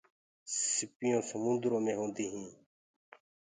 سيپ سموُندرو مي هيندآ هينٚ۔